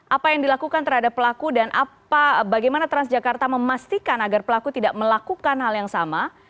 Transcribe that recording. apa yang dilakukan terhadap pelaku dan bagaimana transjakarta memastikan agar pelaku tidak melakukan hal yang sama